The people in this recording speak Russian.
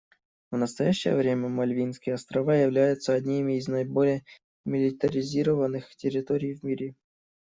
В настоящее время Мальвинские острова являются одними из наиболее милитаризированных территорий в мире.